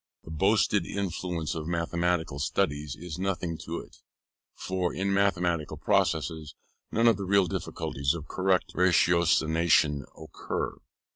The boasted influence of mathematical studies is nothing to it; for in mathematical processes, none of the real difficulties of correct ratiocination occur.